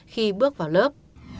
khi bước vào lớp